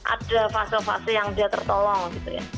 ada fase fase yang dia tertolong gitu ya